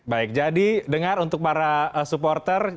baik jadi dengar untuk para supporter